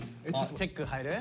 チェック入る？